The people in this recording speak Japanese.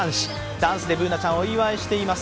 ダンスでＢｏｏｎａちゃん、お祝いしています。